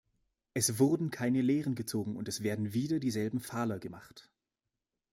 Es wurden keine Lehren gezogen, und es werden wieder dieselben Fahler gemacht.